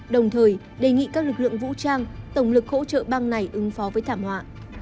đồng thời đề nghị các lực lượng vũ trang tổng lực hỗ trợ bang này ứng phó với thảm họa